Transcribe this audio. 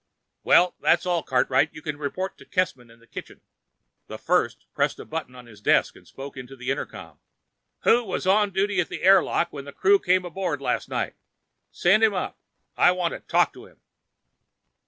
"Well, that's all, Cartwright. You can report to Kissman in the kitchen." The First pressed a button on his desk and spoke into the intercom. "Who was on duty at the airlock when the crew came aboard last night? Send him up. I want to talk to him."